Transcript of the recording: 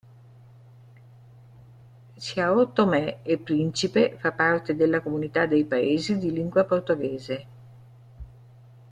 São Tomé e Príncipe fa parte della Comunità dei Paesi di lingua portoghese.